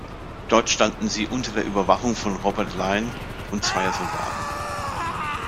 Dort standen sie unter der Überwachung von Robert Lyon und zweier Soldaten.